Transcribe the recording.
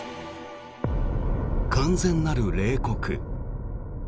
完全なる冷酷。